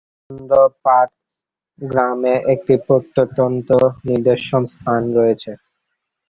হরিশচন্দ্র পাঠ গ্রামে একটি প্রত্নতত্ত্ব নিদর্শন স্থান রয়েছে।